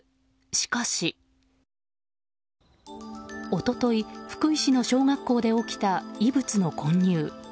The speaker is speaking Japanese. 一昨日、福井市の小学校で起きた異物の混入。